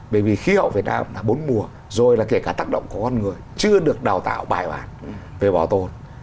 bởi vì khí hậu việt nam là bốn mùa rồi là kể cả tác động của con người chưa được đào tạo bài bản về bảo tồn